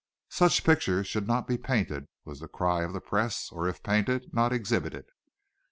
Such pictures should not be painted, was the cry of the press; or if painted, not exhibited.